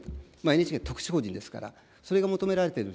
ＮＨＫは特殊法人ですから、それが求められている。